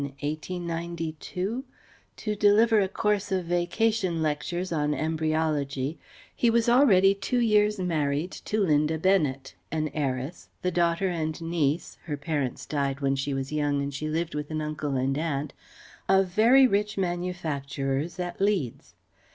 1892 to deliver a course of Vacation lectures on embryology, he was already two years married to Linda Bennet, an heiress, the daughter and niece (her parents died when she was young and she lived with an uncle and aunt) of very rich manufacturers at Leeds.